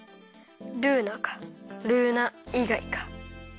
ルーナかルーナいがいか。